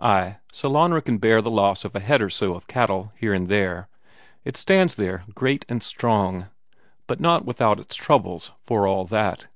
Ay, Sellanraa can bear the loss of a head or so of cattle here and there; it stands there, great and strong. But not without its troubles for all that.